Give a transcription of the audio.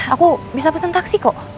aku bisa pesan taksi kok